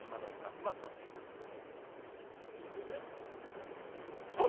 海がうまく取っています。